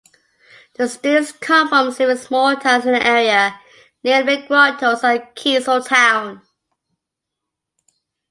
The students come from several small towns in the area, namely Grottoes and Keezletown.